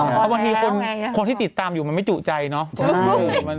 เพราะบางทีคนที่ติดตามอยู่มันไม่จุใจเนาะ